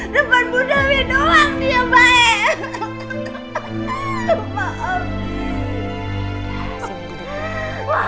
depan bu dewi doang dia baik